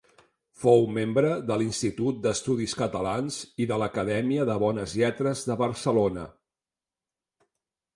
Fou membre de l'Institut d'Estudis Catalans i de l'Acadèmia de Bones Lletres de Barcelona.